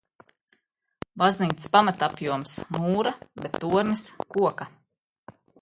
Baznīcas pamatapjoms – mūra, bet tornis – koka.